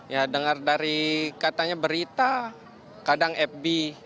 ya dengar dari katanya berita kadang fb